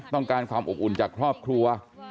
ต้องการความอบอุ่นจากครอบครัว